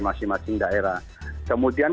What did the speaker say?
masing masing daerah kemudian